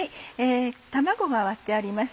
卵が割ってあります。